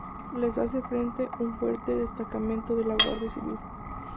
Les hace frente un fuerte destacamento de la Guardia Civil.